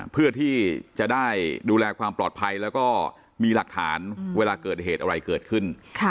เพื่อที่จะได้ดูแลความปลอดภัยแล้วก็มีหลักฐานเวลาเกิดเหตุอะไรเกิดขึ้น